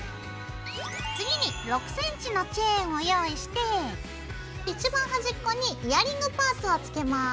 次に６ｃｍのチェーンを用意していちばん端っこにイヤリングパーツをつけます。